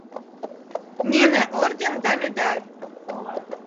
Нине орден да медаль.